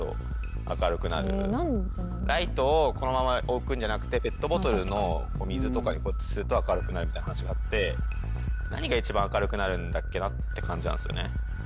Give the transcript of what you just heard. ライトをこのまま置くんじゃなくてペットボトルの水とかにこうやってすると明るくなるみたいな話があってんだっけなって感じなんすよね